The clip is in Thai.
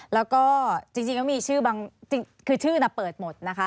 แล้วก็จริงก็มีชื่อบางจริงคือชื่อเปิดหมดนะคะ